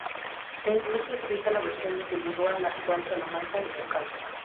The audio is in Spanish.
Incluso existe la versión de que llegó a la actual Salamanca, en España.